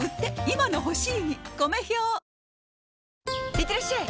いってらっしゃい！